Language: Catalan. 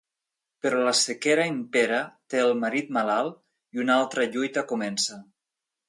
Però la sequera impera, té el marit malalt i una altra lluita comença.